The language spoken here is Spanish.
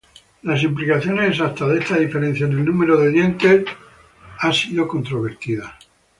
Las implicaciones exactas de esta diferencia en el número de dientes ha sido controvertida.